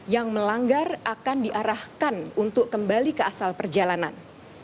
yang melanggar akan diarahkan untuk kembali ke asal perjalanan